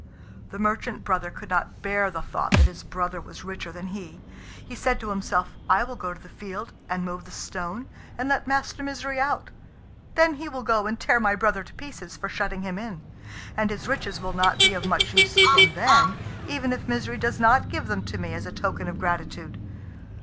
The merchant brother could not bear the thought that his brother was richer than he. He said to himself, "I will go to the field, and move the stone, and let Master Misery out. Then he will go and tear my brother to pieces for shutting him in; and his riches will not be of much use to him then, even if Misery does not give them to me as a token of gratitude.